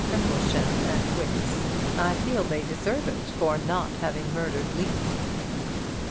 Crimplesham and Wicks. I feel they deserve it for not having murdered Levy."